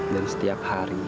dan setiap hari